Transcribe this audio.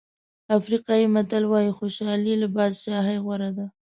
افریقایي متل وایي خوشالي له بادشاهۍ غوره ده.